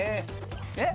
えっ？